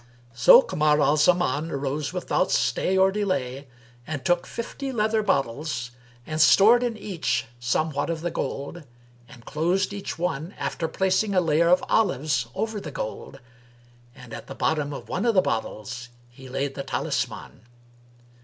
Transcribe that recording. So Kamar al Zaman arose without stay or delay and took fifty leather bottles and stored in each somewhat of the gold, and closed each one after placing a layer of olives over the gold; and at the bottom of one of the bottles he laid the talisman.